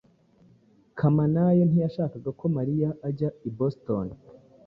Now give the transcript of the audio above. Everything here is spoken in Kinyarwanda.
Kamanayo ntiyashakaga ko Mariya ajya i Boston.